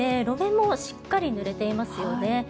路面もしっかりぬれていますよね。